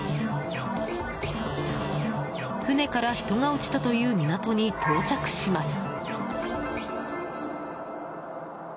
船から人が落ちたという港に到着します。